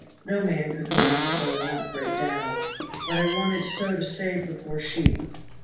No man could go on so and not break down; but I wanted so to save the poor sheep.